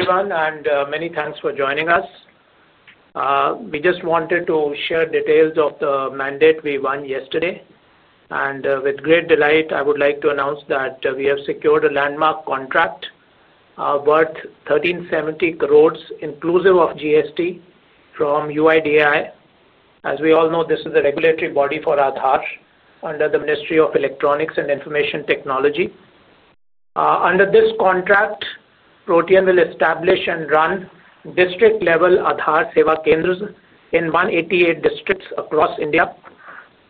Everyone, and many thanks for joining us. We just wanted to share details of the mandate we won yesterday. With great delight, I would like to announce that we have secured a landmark contract worth 1,370 crore, inclusive of GST, from UIDAI. As we all know, this is the regulatory body for Aadhaar under the Ministry of Electronics and Information Technology. Under this contract, Protean will establish and run district-level Aadhaar Seva Kendra in 188 districts across India.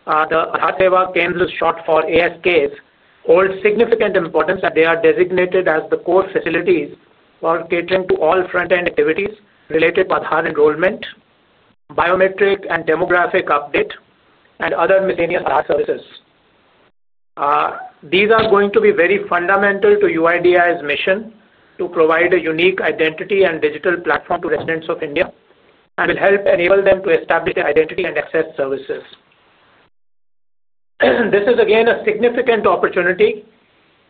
The Aadhaar Seva Kendra, short for ASK, hold significant importance as they are designated as the core facilities for catering to all front-end activities related to Aadhaar enrollment, biometric and demographic updates, and other miscellaneous Aadhaar services. These are going to be very fundamental to UIDAI's mission to provide a unique identity and digital platform to residents of India and will help enable them to establish their identity and access services. This is, again, a significant opportunity,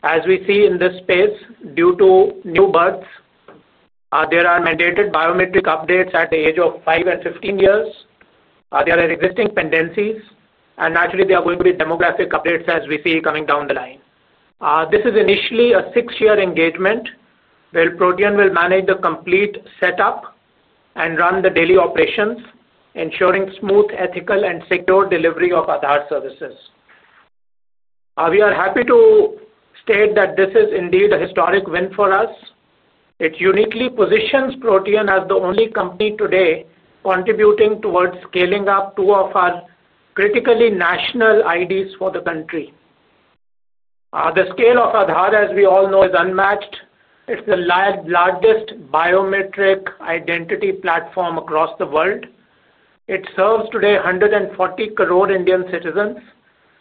as we see in this space, due to new births. There are mandated biometric updates at the age of five and 15 years. There are existing pendencies, and naturally, there are going to be demographic updates, as we see coming down the line. This is initially a six-year engagement where Protean will manage the complete setup and run the daily operations, ensuring smooth, ethical, and secure delivery of Aadhaar services. We are happy to state that this is indeed a historic win for us. It uniquely positions Protean as the only company today contributing towards scaling up two of our critically national IDs for the country. The scale of Aadhaar, as we all know, is unmatched. It's the largest biometric identity platform across the world. It serves today 140 crore Indian citizens,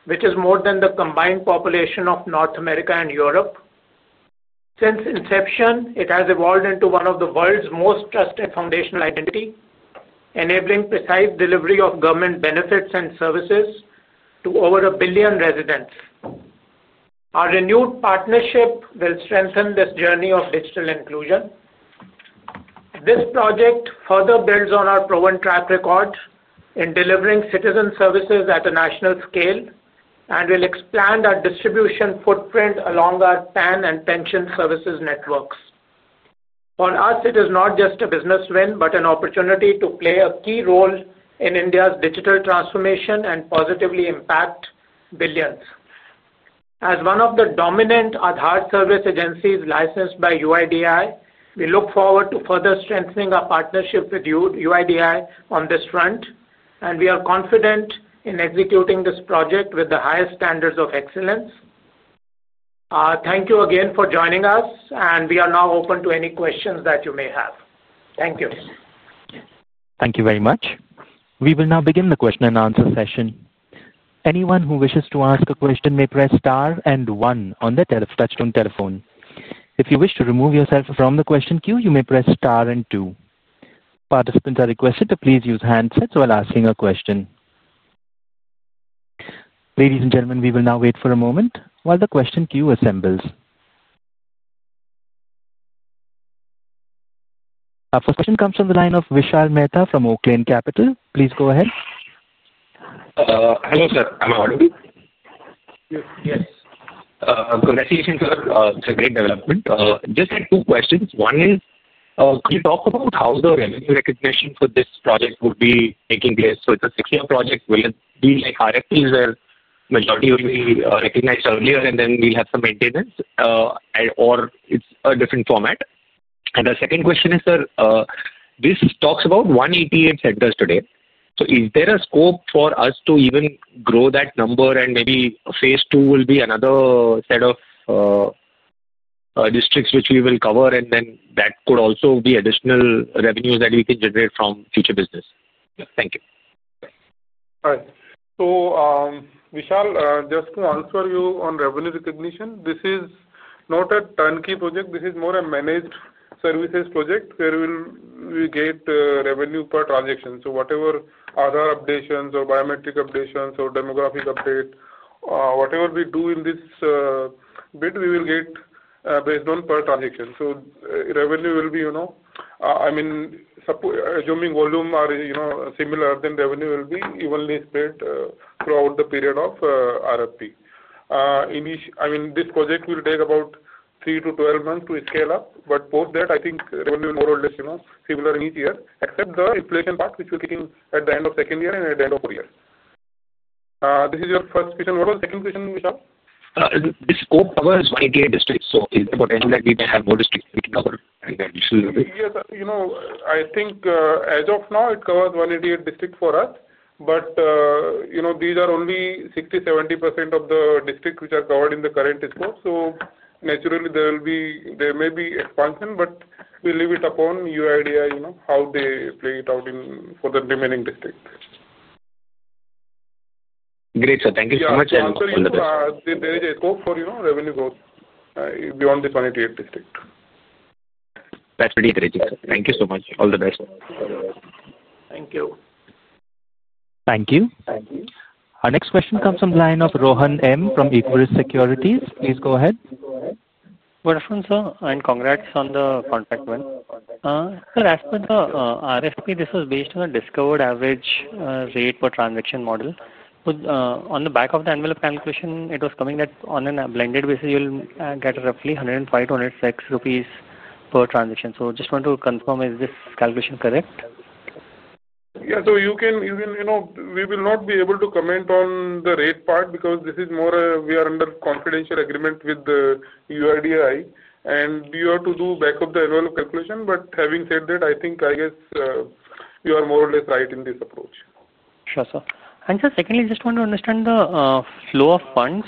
which is more than the combined population of North America and Europe. Since inception, it has evolved into one of the world's most trusted foundational identities, enabling precise delivery of government benefits and services to over a billion residents. Our renewed partnership will strengthen this journey of digital inclusion. This project further builds on our proven track record in delivering citizen services at a national scale and will expand our distribution footprint along our PAN and pension services networks. For us, it is not just a business win, but an opportunity to play a key role in India's digital transformation and positively impact billions. As one of the dominant Aadhaar service agencies licensed by UIDAI, we look forward to further strengthening our partnership with UIDAI on this front, and we are confident in executing this project with the highest standards of excellence. Thank you again for joining us, and we are now open to any questions that you may have. Thank you. Thank you very much. We will now begin the question and answer session. Anyone who wishes to ask a question may press star and one on the touch-tone telephone. If you wish to remove yourself from the question queue, you may press star and two. Participants are requested to please use handsets while asking a question. Ladies and gentlemen, we will now wait for a moment while the question queue assembles. Our first question comes from the line of Vishal Mehta from Oaklanecapital. Please go ahead. Hi, sir. Am I audible? Yes. Congratulations for the great development. Just had two questions. One is, could you talk about how the revenue recognition for this project would be taking place? It's a six-year project. Will it be like RFPs where the majority will be recognized earlier, and then we'll have some maintenance, or it's a different format? The second question is, sir, this talks about 188 centers today. Is there a scope for us to even grow that number, and maybe phase II will be another set of districts which we will cover, and that could also be additional revenues that we can generate from future business? Yes. Thank you. All right. Vishal, just to answer you on revenue recognition, this is not a turnkey project. This is more a managed services project where we get revenue per transaction. Whatever other updates or biometric updates or demographic updates, whatever we do in this bid, we will get based on per transaction. Revenue will be, you know, I mean, assuming volumes are similar, then revenue will be evenly spread throughout the period of RFP. This project will take about three to 12 months to scale up. Post that, I think revenue is more or less, you know, similar in each year, except the inflation part, which we're taking at the end of the second year and at the end of four years. This is your first question. What was the second question, Vishal? This scope covers 188 districts. Is the potential that we can have more districts taken over and the additional revenue? Yes, you know, I think as of now, it covers 188 districts for us. These are only 60%-70% of the districts which are covered in the current scope. Naturally, there will be, there may be expansion, but we leave it upon UIDAI, you know, how they play it out for the remaining districts. Great, sir. Thank you so much. There is a scope for revenue growth beyond this 188 district. That's really interesting. Thank you so much. All the best. Thank you. Thank you. Our next question comes from the line of Rohan M. from Equiris Securities. Please go ahead. Ashwin, sir, and congrats on the contract win. Sir, as per the RFP, this was based on a discovered average rate per transaction model. On the back of the envelope calculation, it was coming that on a blended basis, you'll get roughly 105-106 rupees per transaction. I just want to confirm, is this calculation correct? Yeah, you know, we will not be able to comment on the rate part because this is more a, we are under confidential agreement with the UIDAI, and you are to do back of the envelope calculation. Having said that, I think I guess you are more or less right in this approach. Sure, sir. Secondly, I just want to understand the flow of funds,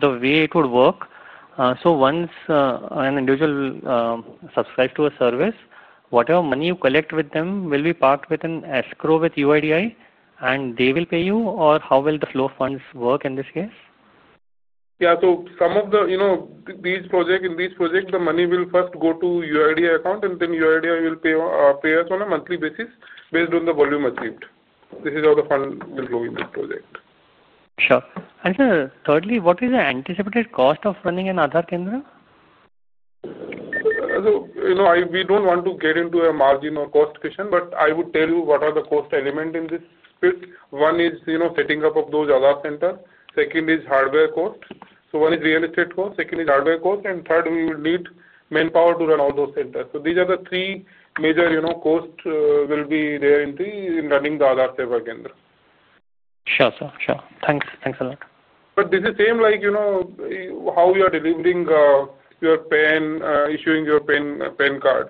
the way it would work. Once an individual subscribes to a service, whatever money you collect with them will be parked with an escrow with UIDAI, and they will pay you, or how will the flow of funds work in this case? Yeah, some of these projects, in these projects, the money will first go to UIDAI account, and then UIDAI will pay us on a monthly basis based on the volume achieved. This is how the fund will go in this project. Sure. Sir, thirdly, what is the anticipated cost of running an Aadhaar center? You know, we don't want to get into a margin or cost question, but I would tell you what are the cost elements in this split. One is, you know, setting up of those Aadhaar centers. Second is hardware cost. One is real estate cost. Second is hardware cost. Third, we will need manpower to run all those centers. These are the three major costs in running the Aadhaar Seva Kendra. Sure, sir. Sure. Thanks. Thanks a lot. This is the same like, you know, how you are delivering your PAN, issuing your PAN card.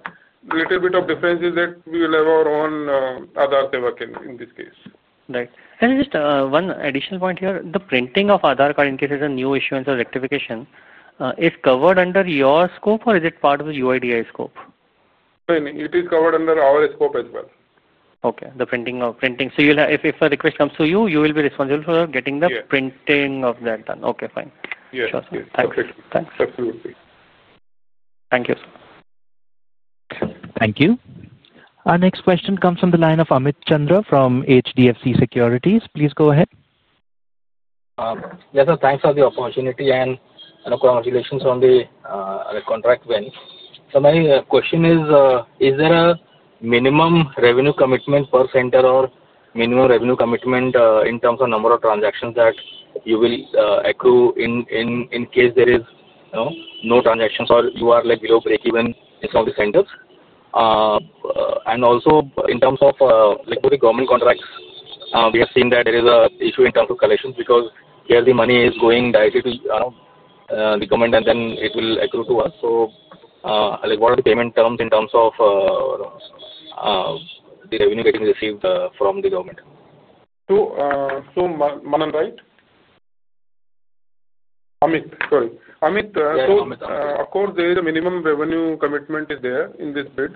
A little bit of difference is that we will have our own Aadhaar Seva Kendra in this case. Right. Just one additional point here, the printing of Aadhaar card in case there's a new issuance or rectification, is covered under your scope, or is it part of the UIDAI scope? It is covered under our scope as well. Okay. The printing of printing, you'll have, if a request comes to you, you will be responsible for getting the printing of that done. Okay, fine. Yes. Sure, sir. Thank you. Absolutely. Thank you, sir. Thank you. Our next question comes from the line of Amit Chandra from HDFC securities. Please go ahead. Yes, sir. Thanks for the opportunity and congratulations on the contract win. My question is, is there a minimum revenue commitment per center or minimum revenue commitment in terms of number of transactions that you will accrue in case there is, you know, no transactions or you are below breakeven in some of the centers? Also, in terms of during government contracts, we have seen that there is an issue in terms of collections because here the money is going directly to the government, and then it will accrue to us. What are the payment terms in terms of the revenue getting received from the government? Amit, of course, there is a minimum revenue commitment in this bid,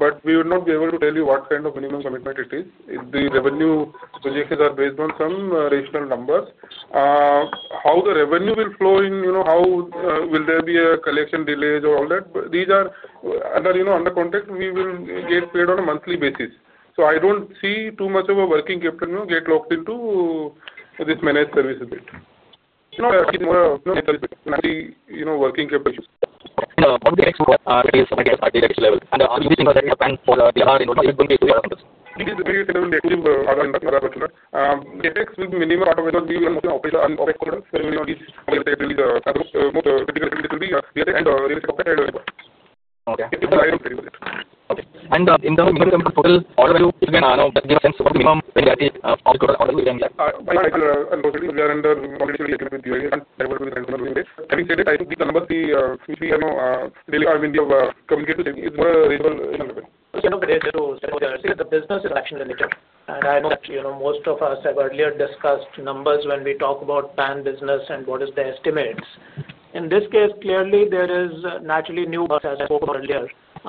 but we will not be able to tell you what kind of minimum commitment it is. The revenue, as I said, is based on some rational numbers. How the revenue will flow in, how will there be a collection delay or all that? These are under contract. We will get paid on a monthly basis. I don't see too much of working capital getting locked into this managed services bit. Not necessarily working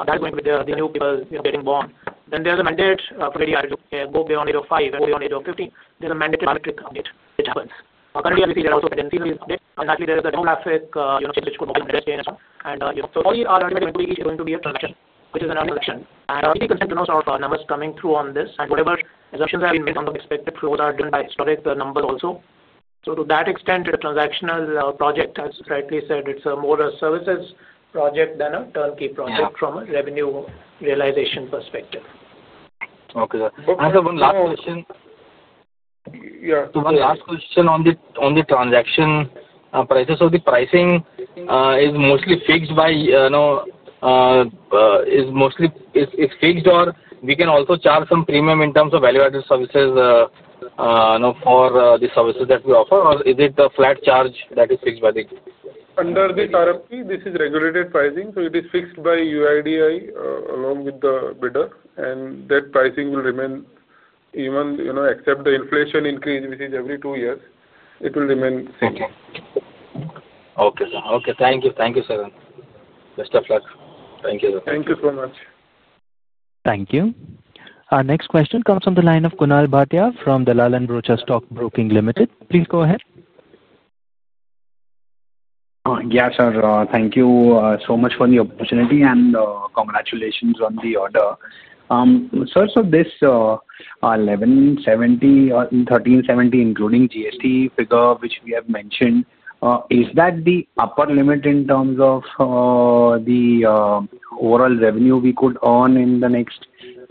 that's when the new people are getting born. There is a mandate for the ID to go beyond the age of five and go beyond the age of 50. There is a mandated biometric update. It happens. Currently, I believe there are also preventive dates. Actually, there is a demographic, you know, change which could cause a change and, you know, so all the other elements is going to be a transaction, which is another transaction. I'll take consent to know our numbers coming through on this. Whatever assumptions have been made on the expected flow that are done by historic numbers also. To that extent, a transactional project, as rightly said, it's more a services project than a turnkey from a revenue realization perspective. Okay, sir. One last question. Yeah. To my last question on the transaction prices, is the pricing mostly fixed, or can we also charge some premium in terms of value-added services for the services that we offer, or is it a flat charge that is fixed by the authority? Under this RFP, this is regulated pricing. It is fixed by UIDAI along with the bidder, and that pricing will remain even, you know, except the inflation increase, which is every two years, it will remain the same. Okay, sir. Okay, thank you. Thank you, sir. Best of luck. Thank you, sir. Thank you so much. Thank you. Our next question comes from the line of Kunal Bhatia from Dalal &Broacha Stock Broking Limited. Please go ahead. Yes, sir. Thank you so much for the opportunity and congratulations on the order. Sir, this 1,370, 1,370, including GST figure, which we have mentioned, is that the upper limit in terms of the overall revenue we could earn in the next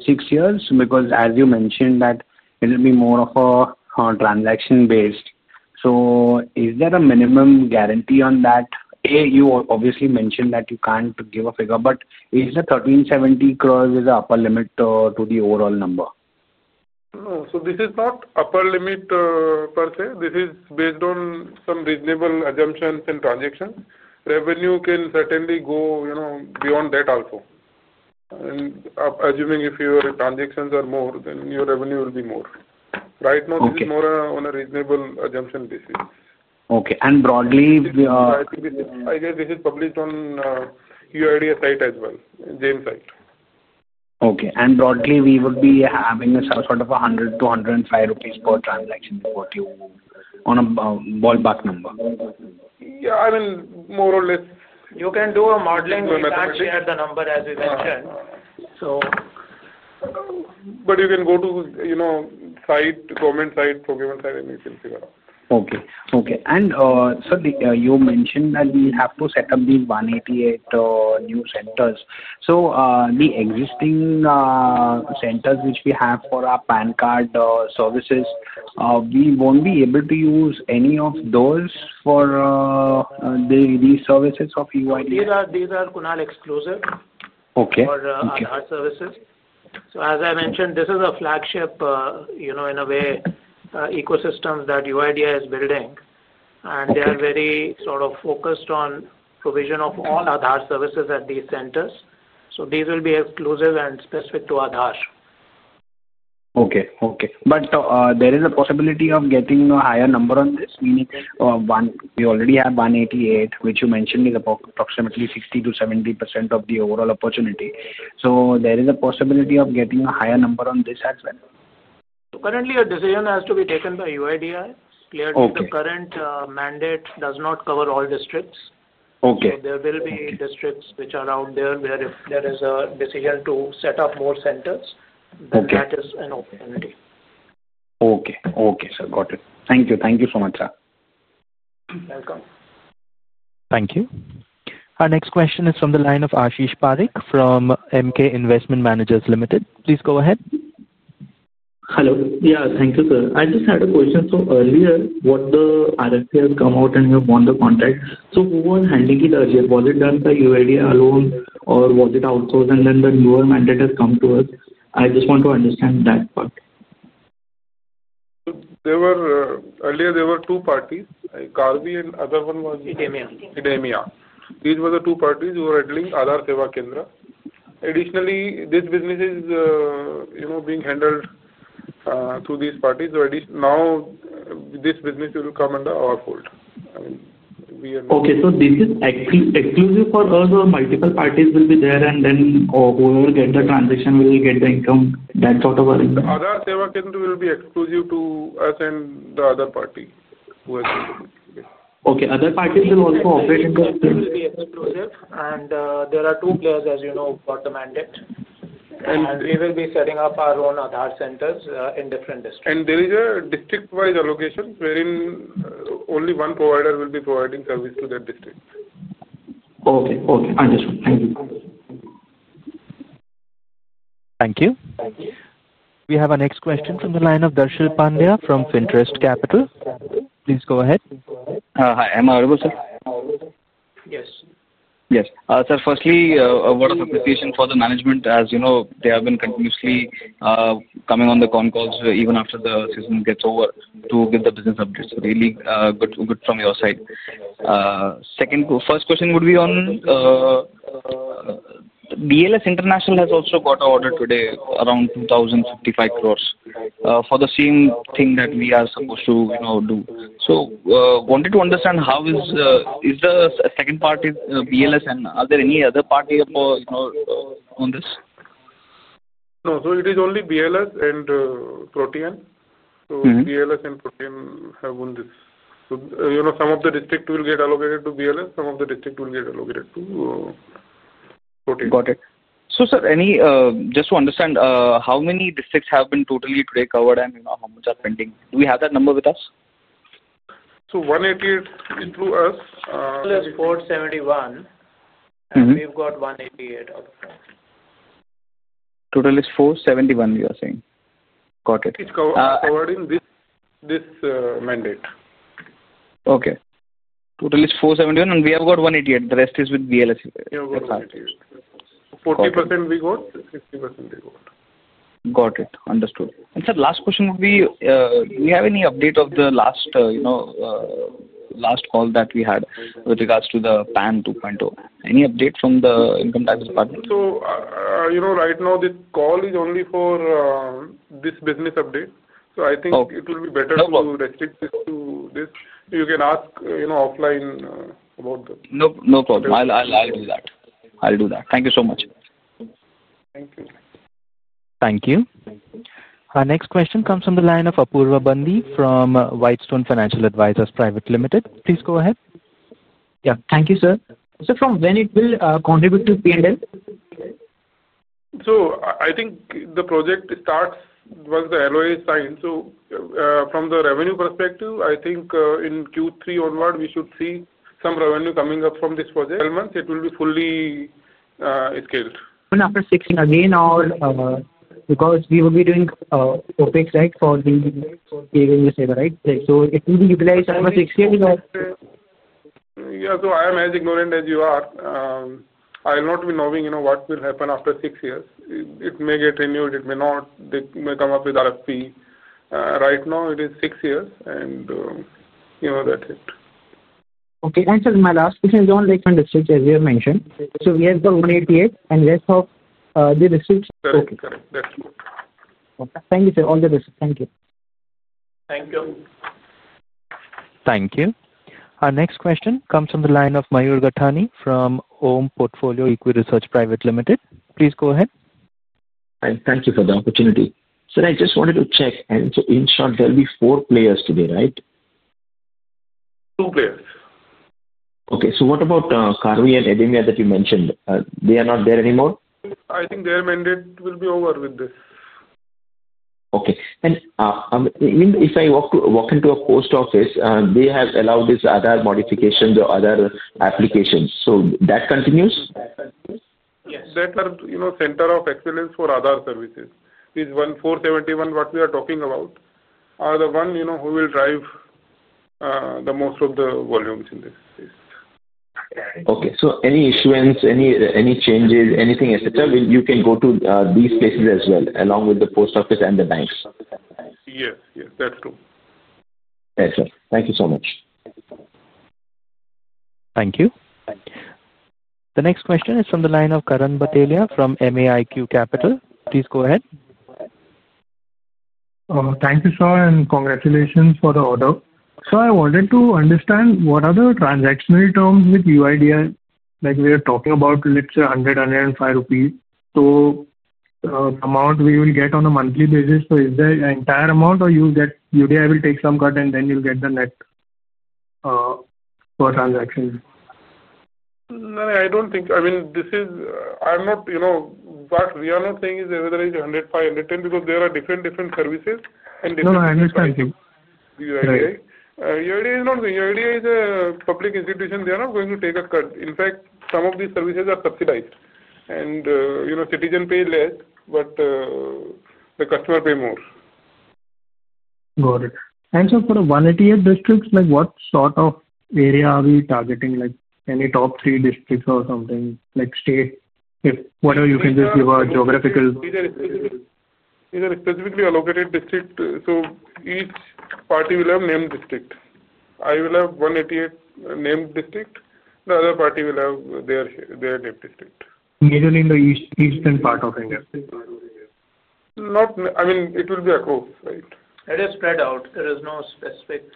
six years? Because you mentioned that it'll be more of a transaction-based. Is there a minimum guarantee on that? You obviously mentioned that you can't give a figure, but is the 1,370 crore the upper limit to the overall number? No, this is not upper limit per se. This is based on some reasonable assumptions and transactions. Revenue can certainly go beyond that also. Assuming if your transactions are more, then your revenue will be more. Right now, this is more on a reasonable assumption basis. Okay, broadly. I think this is, I guess this is published on UIDAI's site as well, Protean's site. Okay, we would be having a sort of 100-105 rupees per transaction to what you on a ballpark number. Yeah, I mean, more or less. You can do a modeling. We'll share the number as we get there. You can go to the government site, procurement site, and you can figure out. Okay. Okay. You mentioned that we have to set up the 188 new centers. The existing centers which we have for our PAN service centers, we won't be able to use any of those for these services of UIDAI. These are Kunal-exclusive for Aadhaar services. As I mentioned, this is a flagship, in a way, ecosystem that UIDAI is building. They are very focused on provision of all Aadhaar services at these centers. These will be exclusive and specific to Aadhaar. Okay. Okay. There is a possibility of getting a higher number on this, meaning we already have 188, which you mentioned is approximately 60%-70% of the overall opportunity. There is a possibility of getting a higher number on this as well. Currently, a decision has to be taken by UIDAI. Clearly, the current mandate does not cover all districts. There will be districts out there where, if there is a decision to set up more centers, that is an opportunity. Okay. Okay, sir. Got it. Thank you. Thank you so much, sir. You're welcome. Thank you. Our next question is from the line of Ashish Pareek from Emkay nvestment Managers Limited. Please go ahead. Hello. Thank you, sir. I just had a question. Earlier, what the RFP has come out and we have won the contract. Who was handling it earlier? Was it done by UIDAI alone, or was it outsourced, and then the newer mandate has come to us? I just want to understand that part. Earlier, there were two parties, Karvy and the other one was IDEMIA. IDEMIA. IDEMIA. These were the two parties who were handling Aadhaar Seva Kendra. Additionally, this business is being handled through these parties. Now this business will come under our hold. Okay. Is this exclusive for us, or will multiple parties be there, and then whoever gets the transaction will get the income, that sort of? Aadhaar Seva Kendra will be exclusive to us and the other party who has this. Okay. Other parties will also operate too? This will be exclusive, and there are two players, as you know, about the mandate. We will be setting up our own Aadhaar centers in different districts. There is a district-wide allocation wherein only one provider will be providing service to that district. Okay. Okay. Understood. Thank you. Thank you. We have our next question from the line of Darshil Pandya from FINTEREST CAPITAL. Please go ahead. Hi. Am I audible, sir? Yes. Yes. Sir, firstly, a word of appreciation for the management. As you know, they have been continuously coming on the con calls even after the season gets over to give the business updates. Really good from your side. My first question would be on BLS International has also got an order today around 2,055 crore for the same thing that we are supposed to, you know, do. I wanted to understand how is the second party, BLS, and are there any other party on this? BLS and Protean. and Protean have won this. Some of the districts will get allocated to BLS International Services Ltd, and some of the districts will get allocated to Protean. Got it. Sir, just to understand, how many districts have been totally today covered and how much are pending? Do we have that number with us? One eighty eight include us. It's 471, and we've got 188 out of that. Total is 471, you are saying. Got it. It's covered in this mandate. Okay. Total is 471, and we have got 188. The rest is with BLS. We have got 188. 40% we got, 50% we got. Got it. Understood. Sir, last question would be, do you have any update of the last call that we had with regards to the PAN 2.0? Any update from the Income Tax Department? Right now, the call is only for this business update. I think it will be better to register to this. You can ask offline about the. No problem. I'll do that. Thank you so much. Okay. Thank you. Our next question comes from the line of Apoorv Bandi from Whitestone Financial Advisors Private Limited. Please go ahead. Thank you, sir. Sir, from when will it contribute to P&L? I think the project starts once the LOA is signed. From the revenue perspective, I think in Q3 onward, we should see some revenue coming up from this project. In 12 months, it will be fully scaled. After 60, again, all because we will be doing OpEx, right, for the P&L, right? It will be utilized over six years, or? I am as ignorant as you are. I will not be knowing what will happen after six years. It may get renewed, it may not. They may come up with RFP. Right now, it is six years, and that's it. Okay. Actually, my last question is on different districts, as you have mentioned. Here's the 188, and here's how the districts. Correct. That's true. Okay, thank you, sir, on the district. Thank you. Thank you. Thank you. Our next question comes from the line of Mayur Ghatani from OHM PORTFOIO EQUI RESEARCH PRIVATE LIMITED. Please go ahead. Thank you for the opportunity. Sir, I just wanted to check. In short, there will be four players today, right? Two players. Okay. What about Karvy and IDEMIA that you mentioned? They are not there anymore? I think their mandate will be over with this. Okay. If I walk into a post office, they have allowed these other modifications or other applications. That continues? Yes, that are, you know, center of excellence for Aadhaar services. This 1,471, what we are talking about, you know, who will drive the most of the volumes in this space. Okay. Any issuance, any changes, anything, etc., you can go to these places as well, along with the post office and the NIC? Yes, yes, that's true. Thank you. Thank you so much. Thank you. The next question is from the line of Karan Bhatelia from MAIQ Capital. Please go ahead. Thank you, sir, and congratulations for the order. Sir, I wanted to understand what are the transactional terms with UIDAI? Like we are talking about, let's say, 100, 105 rupees. The amount we will get on a monthly basis, is that the entire amount, or will UIDAI take some cut, and then you'll get the net for transactions? No, I don't think. I mean, what we are not saying is whether it's 105, 110 because there are different services and different. No, no, I understand you. UIDAI is not, UIDAI is a public institution. They are not going to take a cut. In fact, some of these services are subsidized. You know, citizens pay less, but the customer pays more. Got it. For the 188 districts, like what sort of area are we targeting? Like any top three districts or something? Like state? Whatever you can just give a geographical. These are specifically allocated districts. Each party will have named districts. I will have 188 named districts. The other party will have their named districts. Majorly in the eastern part of India? I mean, it will be across, right? It is spread out. There is no specific.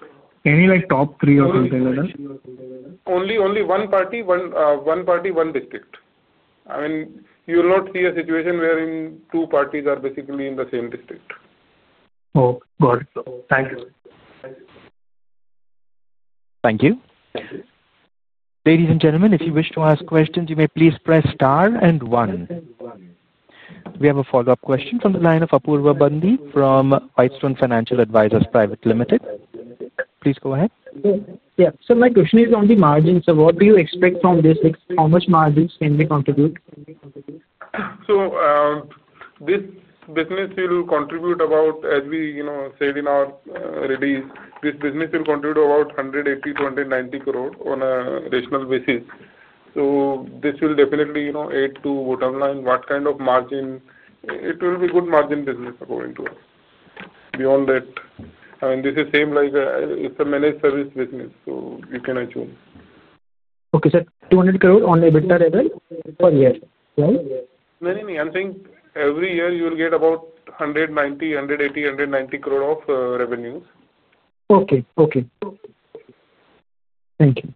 Any like top three or something like that? Only one party, one district. I mean, you will not see a situation wherein two parties are basically in the same district. Oh, got it. Thank you. Thank you. Ladies and gentlemen, if you wish to ask questions, you may please press star and one. We have a follow-up question from the line of Apoorv Bandi from Whitestone Financial Advisors Private Limited. Please go ahead. Yeah, sir, my question is on the margins. What do you expect from this? How much margins can they contribute? This business will contribute about, as we said in our release, this business will contribute about 180 crore-190 crore on a rational basis. This will definitely aid to bottom line what kind of margin. It will be a good margin business according to us. Beyond that, I mean, this is the same like it's a managed service business. You can assume. Okay, sir. INR 200 crore on a BIDR level per year, right? I'm saying every year you will get about 180 crore, 190 crore of revenues. Okay. Okay. Thank you.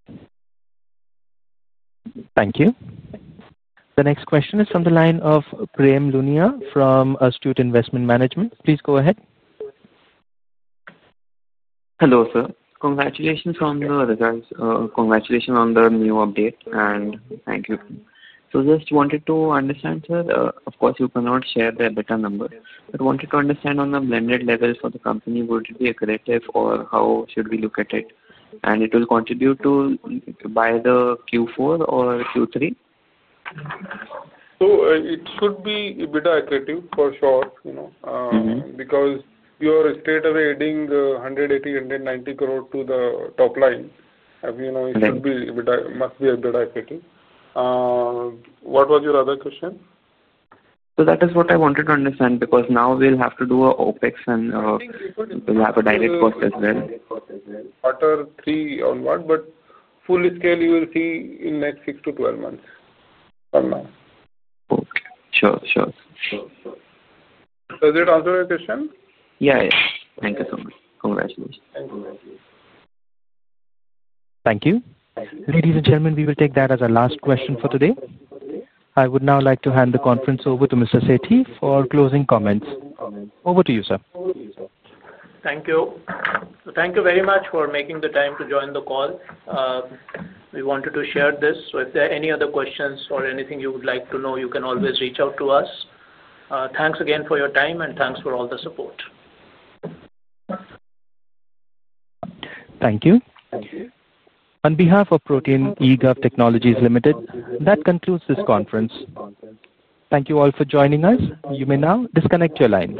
Thank you. The next question is from the line of Prem Luniya from Astute Investment Management. Please go ahead. Hello, sir. Congratulations on the new update, and thank you. I just wanted to understand, sir, of course, you cannot share the BIDR number. I wanted to understand on the blended level for the company, would it be accretive or how should we look at it? Will it contribute by Q4 or Q3? It should be EBITDA accretive, for sure, because you are adding INR 180+190 crore to the top line. I mean, it should be EBITDA accretive. What was your other question? That is what I wanted to understand because now we'll have to do an OpEx and we'll have a direct cost as well. After 3 onward, but fully scaled, you will see in the next six to 12 months from now. Sure, sure. Does it answer your question? Yes, thank you so much. Congratulations. Thank you. Thank you. Ladies and gentlemen, we will take that as our last question for today. I would now like to hand the conference over to Mr. Sethi for closing comments. Over to you, sir. Thank you. Thank you very much for making the time to join the call. We wanted to share this. If there are any other questions or anything you would like to know, you can always reach out to us. Thanks again for your time, and thanks for all the support. Thank you. On behalf of Protean eGov Technologies Ltd, that concludes this conference. Thank you all for joining us. You may now disconnect your line.